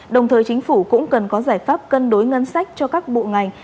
đồng thời chính phủ cũng cần có giải pháp cân đối ngân sách cho các bộ ngành